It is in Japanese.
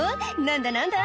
何だ何だ？